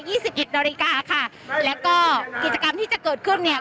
สิบเอ็ดนาฬิกาค่ะแล้วก็กิจกรรมที่จะเกิดขึ้นเนี่ย